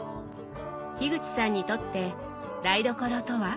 口さんにとって台所とは？